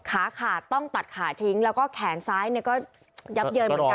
ขาขาดต้องตัดขาทิ้งแล้วก็แขนซ้ายก็ยับเยินเหมือนกัน